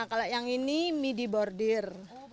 kalau yang ini midi bordir